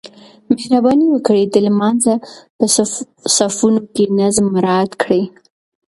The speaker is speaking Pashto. مهرباني وکړئ د لمانځه په صفونو کې نظم مراعات کړئ.